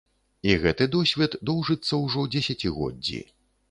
І гэты досвед доўжыцца ўжо дзесяцігоддзі.